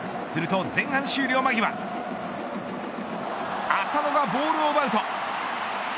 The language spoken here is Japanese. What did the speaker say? すると、前半終了間際浅野がボールを奪うと。